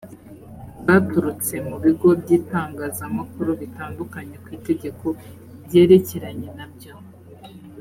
baturutse mu bigo by’itangazamakuru bitandukanye ku itegeko ryerekeranye na byo